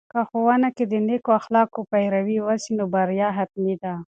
که ښوونې کې د نیکو اخلاقو پیروي وسي، نو بریا حتمي ده.